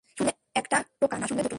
শুনলে একটা টোকা, না শুনলে দুটো।